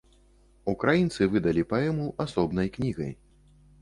Украінцы выдалі паэму асобнай кнігай.